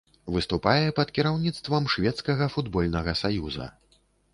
Выступае пад кіраўніцтвам шведскага футбольнага саюза.